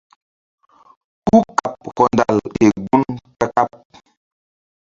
Kúkaɓ hɔndal ke gun ka-kaɓ.